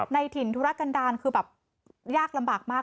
ในถิ่นธุรกันดาลคือแบบยากลำบากมาก